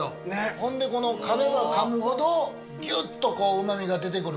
ほんでこのかめばかむほどぎゅっとうま味が出て来る